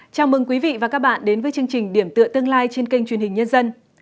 chào mừng quý vị và các bạn đến với chương trình điểm tựa tương lai trên kênh truyền hình nhân dân